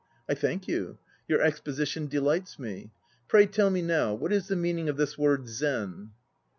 I thank you; your exposition delights me. Pray tell me now, what is the meaning of this word "Zen"?